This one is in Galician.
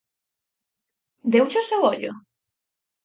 Deuche o seu ollo?